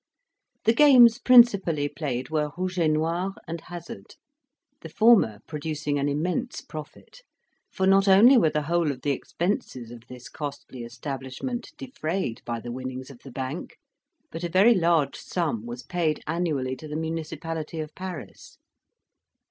The games principally played were rouge et noir and hazard; the former producing an immense profit, for not only were the whole of the expenses of this costly establishment defrayed by the winnings of the bank, but a very large sum was paid annually to the municipality of Paris.